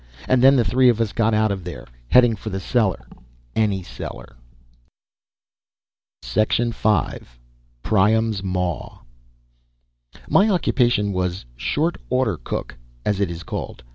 And then the three of us got out of there, heading for the cellar. Any cellar. V Priam's Maw My occupation was "short order cook", as it is called.